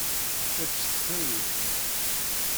Ečč s ttawil.